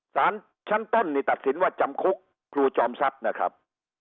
สารชั้นต้นนี่ตัดสินว่าจำคุกครูจอมทรัพย์นะครับ